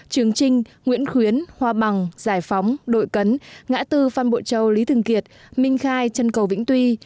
trường trinh nguyễn khuyến hoa bằng giải phóng đội cấn ngã tư phan bội châu lý thường kiệt minh khai trần cầu vĩnh tuy